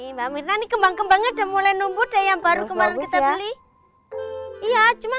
mbak mirna nih kembang kembangnya udah mulai numpul daya baru kemarin kita beli iya cuman